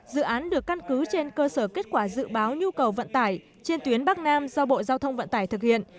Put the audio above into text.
dự án được căn cứ trên cơ sở kết quả dự báo nhu cầu vận tải trên tuyến bắc nam do bộ giao thông vận tải thực hiện